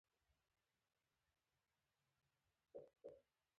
د سرې زیات استعمال د خاورې طبیعي جوړښت خرابوي.